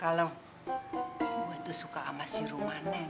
kalau gue tuh suka sama si romane